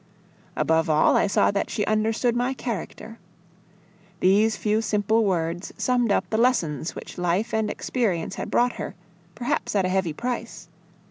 Above all, I saw that she understood my character. These few simple words summed up the lessons which life and experience had brought her, perhaps at a heavy price.